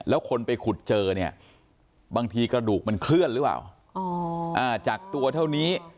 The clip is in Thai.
แล้วคนไปขุดเจอเนี่ยบางทีกระดูกมันเคลื่อนหรือเปล่าจากตัวเท่านี้